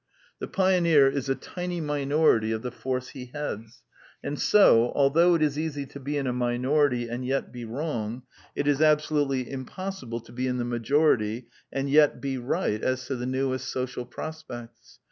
The pioneer is a tiny minority of the force he heads; and so, though it is easy to be in a minority and yet be wrong, it is absolutely impossible to be in the majority and yet be right as to the newest social prospects.